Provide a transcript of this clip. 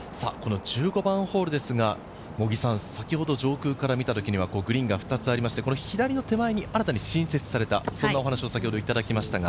１５番ホールですが、先ほど上空から見た時にはグリーンが２つありまして、左の手前に新たに新設された、そんなお話を先ほどいただきました。